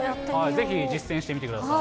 ぜひ実践してみてください。